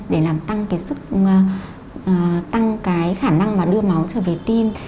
để làm tăng cái sức tăng cái khả năng mà đưa máu trở về tim